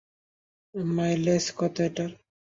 Mileage কত এটার?